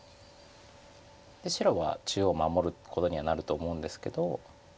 白は中央守ることにはなると思うんですけど。